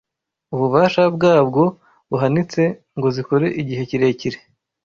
ububasha bwabwo buhanitse ngo zikore igihe kirekire.